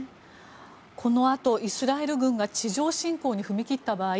このあとイスラエル軍が地上侵攻に踏み切った場合